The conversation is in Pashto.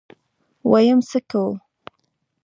ويم څه کوو.